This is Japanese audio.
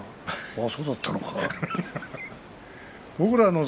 そうだったのかと。